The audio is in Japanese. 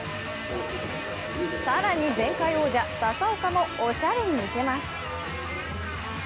更に前回王者・笹岡もおしゃれに見せます。